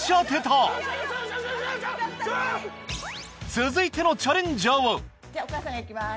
続いてのチャレンジャーはじゃあお母さんがいきます